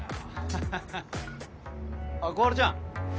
あっ小春ちゃん